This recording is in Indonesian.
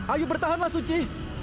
ayo bertahanlah suci